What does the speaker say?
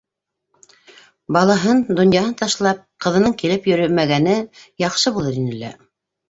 Балаһын, донъяһын ташлап, ҡыҙының килеп йөрөмәгәне яҡшы булыр ине лә...